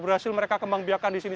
berhasil mereka kembang biakan di sini